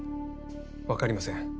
分かりません。